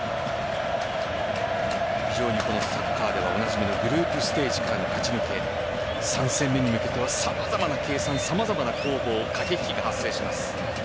非常にサッカーではおなじみのグループステージからの勝ち抜け３戦目に向けてはさまざまな計算さまざまな攻防駆け引きが発生します。